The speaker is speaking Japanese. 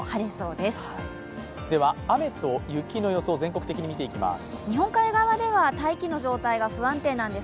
では雨と雪の予報、全国的に見ていきます。